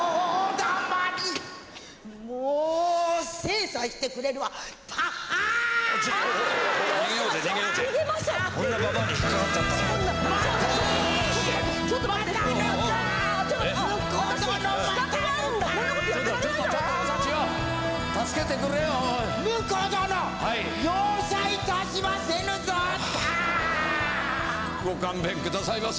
ダ！ご勘弁くださいませ。